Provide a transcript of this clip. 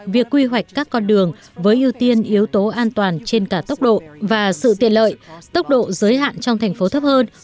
việc quy hoạch các con đường với ưu tiên yếu tố an toàn trên cả tốc độ và sự tiện lợi tốc độ giới hạn trong thành phố thấp hơn